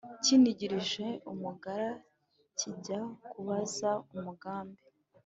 Kinigirije umugara kijya kubaza umugambi